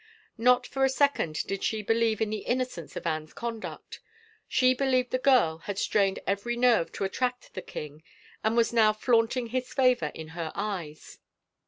Not for a second did she believe in the innocence of Anne's conduct. She believed the girl had strained every nerve to attract the king and was now flaunting his favor in her eyes.